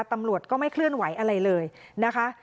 ตำรวจก็ไม่เคลื่อนไหวอะไรเลยนะคะ